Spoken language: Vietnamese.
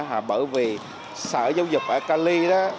thì sở giáo dục ở cali đó